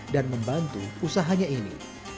dan membantu usahanya ini